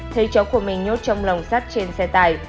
thấy chó của mình nhốt trong lòng sắt trên xe tải